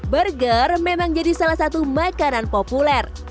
burger memang jadi salah satu makanan populer